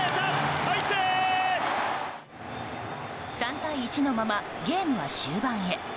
３対１のままゲームは終盤へ。